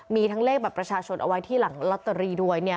มีทั้งเลขบัตรประชาชนเอาไว้ที่หลังลอตเตอรี่ด้วย